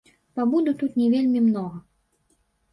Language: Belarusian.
Пабуду тут не вельмі многа.